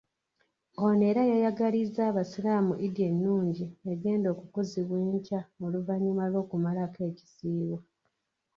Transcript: Ono era yayagalizza Abasiraamu Eid ennungi egenda okukuzibwa enkya oluvanyuma lw'okumalako ekisiibo.